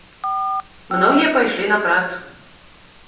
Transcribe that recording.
Многія пайшлі на працу.